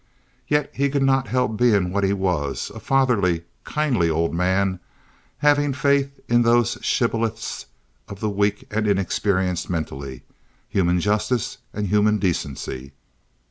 Yet he could not help being what he was, a fatherly, kindly old man, having faith in those shibboleths of the weak and inexperienced mentally—human justice and human decency.